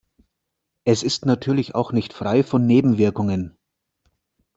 Es ist natürlich auch nicht frei von Nebenwirkungen.